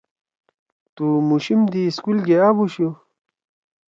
تُو مُوشِم دی سکول گے آبَشُو؟